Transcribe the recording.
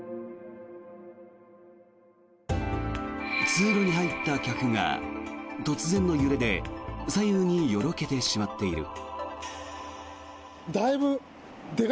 通路に入った客が突然の揺れで左右によろけてしまっている。